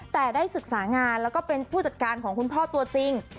แต่ได้ศึกษางานแล้วก็เป็นผู้จัดการของคุณพ่อตัวจริง